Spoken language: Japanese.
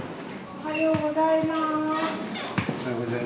おはようございます。